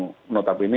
yang menutup ini